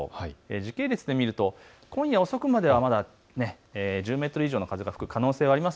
時系列で見ると今夜遅くまではまだ１０メートル以上の風が吹く可能性はあります。